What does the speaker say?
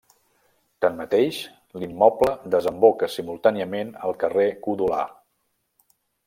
Tanmateix l'immoble desemboca simultàniament al carrer Codolar.